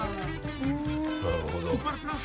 なるほど。